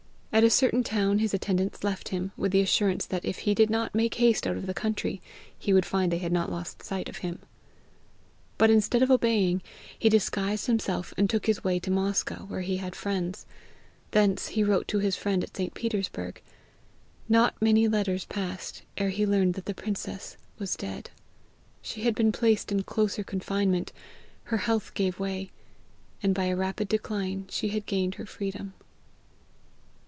At a certain town his attendants left him, with the assurance that if he did not make haste out of the country, he would find they had not lost sight of him. But instead of obeying, he disguised himself, and took his way to Moscow, where he had friends. Thence he wrote to his friend at St. Petersburg. Not many letters passed ere he learned that the princess was dead. She had been placed in closer confinement, her health gave way, and by a rapid decline she had gained her freedom.